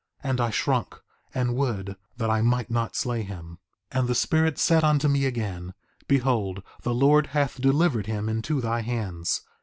And I shrunk and would that I might not slay him. 4:11 And the Spirit said unto me again: Behold the Lord hath delivered him into thy hands.